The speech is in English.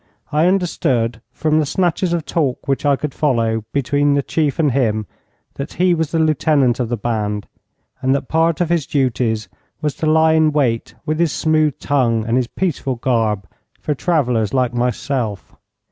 I understood, from the snatches of talk which I could follow between the chief and him, that he was the lieutenant of the band, and that part of his duties was to lie in wait with his smooth tongue and his peaceful garb for travellers like myself.